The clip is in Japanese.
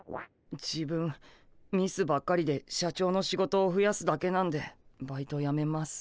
自分ミスばっかりで社長の仕事をふやすだけなんでバイトやめます。